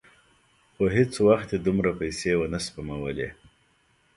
خو هېڅ وخت یې دومره پیسې ونه سپمولې.